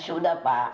sudah makan malam juga